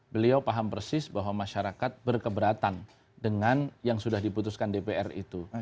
beliau paham persis bahwa masyarakat berkeberatan dengan yang sudah diputuskan dpr itu